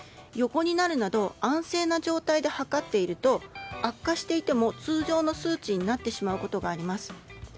横になるなど安静な状態で測っていると悪化していても通常の数値になってしまうことがあります。